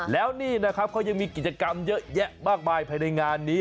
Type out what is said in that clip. แล้วนี่นะครับเขายังมีกิจกรรมเยอะแยะมากมายภายในงานนี้